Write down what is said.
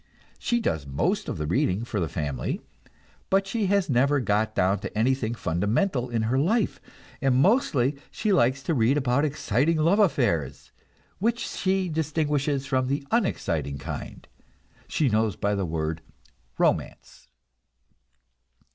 She does most of the reading for the family; but she has never got down to anything fundamental in her life, and mostly she likes to read about exciting love affairs, which she distinguishes from the unexciting kind she knows by the word "romance."